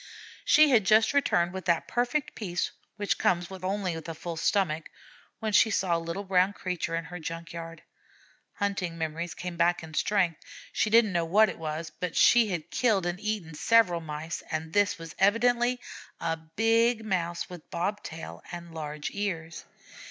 She had just returned with that perfect peace which comes only of a full stomach, when she saw a little brown creature in her junk yard. Hunting memories came back in strength; she didn't know what it was, but she had killed and eaten several Mice, and this was evidently a big Mouse with bob tail and large ears.